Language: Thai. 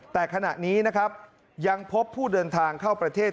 แต่ขณะนี้นะครับยังพบผู้เดินทางเข้าประเทศ